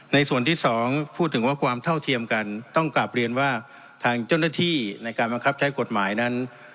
ส่วนที่สองพูดถึงว่าความเท่าเทียมกันต้องกลับเรียนว่าทางเจ้าหน้าที่ในการบังคับใช้กฎหมายนั้น